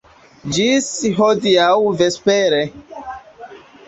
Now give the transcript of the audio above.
Ĝis hodiaŭ vespere.